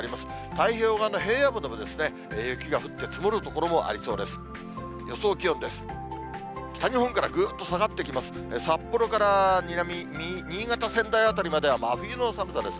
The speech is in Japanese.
太平洋側の平野部でも雪が降って積もる所もありそうです。